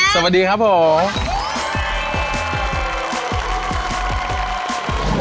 สวัสดีครับผม